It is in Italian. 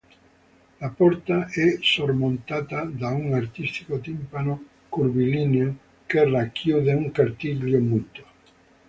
La porta è sormontata da un artistico timpano curvilineo che racchiude un cartiglio muto.